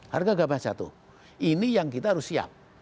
harga gabah jatuh ini yang kita harus siap